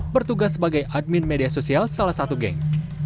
bertugas sebagai admin media sosial salah satu geng